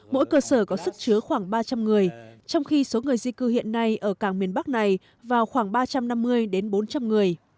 mỗi cơ sở có sức chứa khoảng ba trăm linh người trong khi số người di cư hiện nay ở cảng miền bắc này vào khoảng ba trăm năm mươi đến bốn trăm linh người